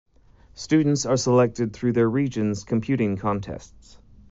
Students are selected through their regions' computing contests.